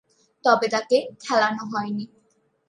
তবে, তাকে খেলানো হয়নি।